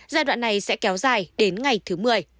giai đoạn này sẽ kéo dài đến ngày thứ một mươi